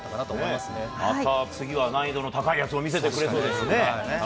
また次は、難易度の高いやつを見せてくれるそうですね。